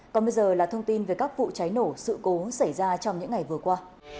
còn bây giờ là thông tin về các vụ cháy nổ sự cố xảy ra trong những ngày vừa qua